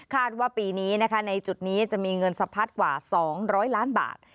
ว่าปีนี้นะคะในจุดนี้จะมีเงินสะพัดกว่า๒๐๐ล้านบาท